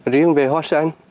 riêng về hoa sen